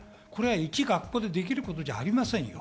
いち学校でできることではありません。